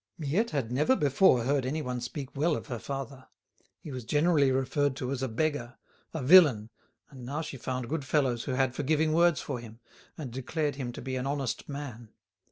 Miette had never before heard anyone speak well of her father. He was generally referred to as a beggar, a villain, and now she found good fellows who had forgiving words for him, and declared him to be an honest man.